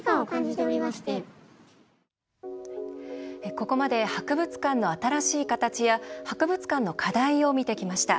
ここまで博物館の新しい形や博物館の課題を見てきました。